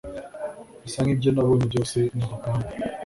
bisa nkibyo nabonye byose ni urugamba